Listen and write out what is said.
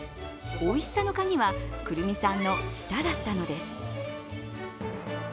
おいしさのカギは、くるみさんの舌だったのです。